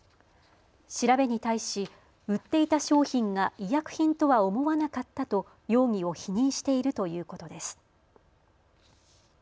調べに対し、売っていた商品が医薬品とは思わなかったと容疑を否認しているということです。